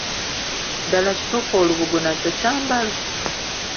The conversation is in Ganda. Ddala kituufu olubugo nakyo kyambalo?